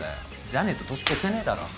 じゃねえと年越せねえだろ。